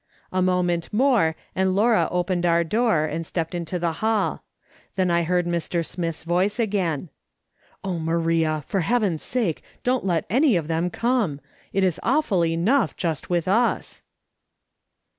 A moment more, and Laura opened our door and stepped into the hall. Then I heard Mr. Smith's voice again :" Oh, Maria, for Heaven's sake don't let any of them, come I It is awful enough, just with us."